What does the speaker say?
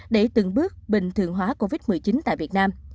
để từng bước bình thường hóa covid một mươi chín tại việt nam